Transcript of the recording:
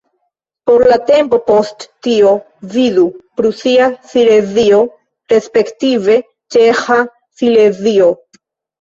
Por la tempo post tio, vidu: Prusia Silezio respektive Ĉeĥa Silezio.